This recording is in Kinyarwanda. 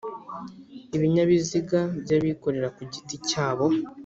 Ibinyabiziga by'abikorera ku giti cyabo